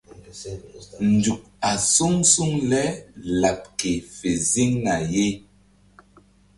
Nzuk a suŋ suŋ le laɓ ke fe ziŋ na ye.